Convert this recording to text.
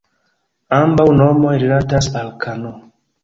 Ambaŭ nomoj rilatas al "kano".